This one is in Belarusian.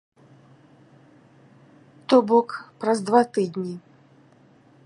То бок, праз два тыдні.